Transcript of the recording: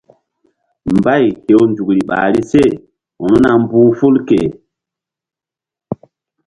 Mbay hew nzukri ɓahri seru̧na mbu̧h ful ke.